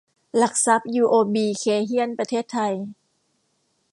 หลักทรัพย์ ยูโอบี เคย์เฮียน ประเทศไทย